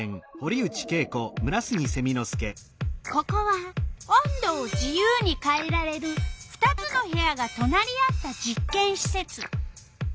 ここは温度を自由にかえられる２つの部屋がとなり合った実けんしせつ。